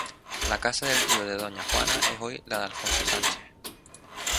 La casa del tío de Doña Juana es hoy la de Alfonso Sánchez.